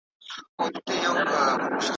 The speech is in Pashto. جورج زیمل هم خپل نظر لري.